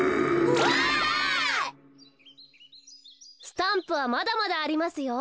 スタンプはまだまだありますよ。